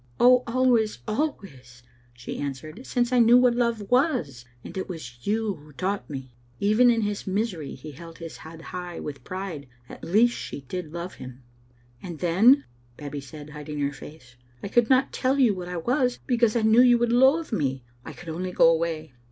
"Oh, always, always," she answered, "since I knew what love was ; and it was you who taught me. " Even in his misery he held his head high with pride. At least she did love him. "And then," Babbie said, hiding her face, "I could not tell you what I was because I knew you would loathe me. I could only go away.